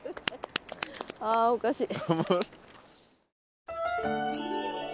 あおかしい。